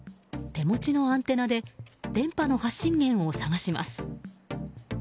手持ちのアンテナで電波の発信源を探します。